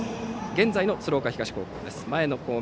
現在の鶴岡東高校です。